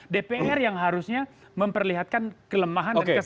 dpr yang harusnya memperlihatkan kelemahan dan kesalahan